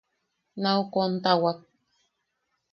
Nau kontawak.